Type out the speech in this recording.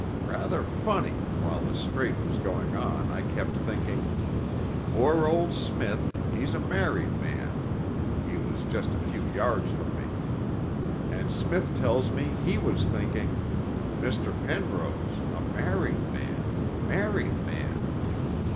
Rather funny, while the strafe was going on I kept thinking, "Poor old Smith, he's a married man" (he was a few yards from me) ... and Smith tells me he was thinking, "Mr. Penrose ... a married man ... married man...."